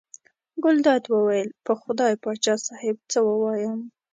ګلداد وویل: په خدای پاچا صاحب څه ووایم.